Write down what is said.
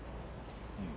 うん。